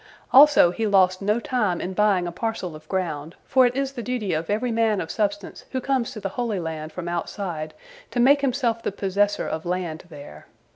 Also he lost no time in buying a parcel of ground, for it is the duty of every man of substance who comes to the Holy Land from outside to make himself the possessor of land there.